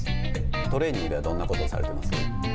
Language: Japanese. トレーニングでは、どんなことをされてますか。